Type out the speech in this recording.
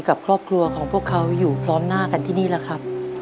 ขอบคุณและรักคุณค่ะ